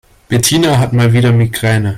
Bettina hat mal wieder Migräne.